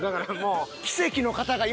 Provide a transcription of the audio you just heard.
奇跡の方が今。